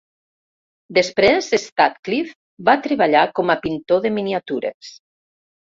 Després, Sutcliff va treballar com a pintor de miniatures.